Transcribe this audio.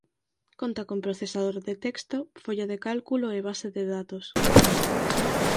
Conta con procesador de texto, folla de cálculo e base de datos